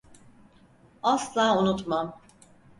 Asla unutmam.